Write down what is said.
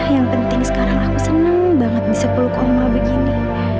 yang penting sekarang aku seneng banget bisa peluk oma begini